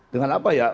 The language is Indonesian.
dengan apa ya